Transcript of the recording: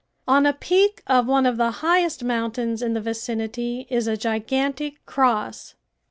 On a peak of one of the highest mountains in the vicinity is a gigantic cross.